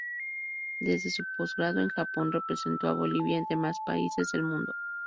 Desde su post grado en Japón, representó a Bolivia en demás países del mundo.